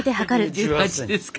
１８ですか。